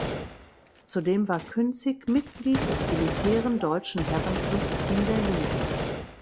Zudem war Künzig Mitglied des elitären Deutschen Herrenklubs in Berlin.